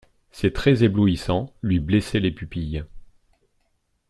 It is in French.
Ses traits éblouissants, lui blessaient les pupilles.